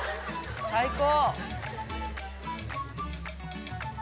最高。